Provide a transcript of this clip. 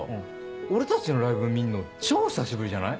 俺たちのライブ見んの超久しぶりじゃない？